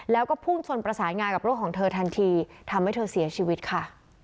แล้วก็พุ่งชนประสานงานกับรถของเธอทันทีทำให้เธอเสียชีวิตค่ะ